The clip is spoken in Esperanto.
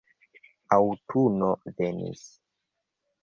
Aŭtuno venis.